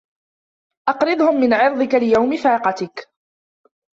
أَقْرِضْهُمْ مِنْ عَرْضِك لِيَوْمِ فَاقَتِك